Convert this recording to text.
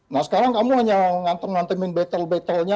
nah sekarang kamu hanya ngantem ngantemin battle battle nya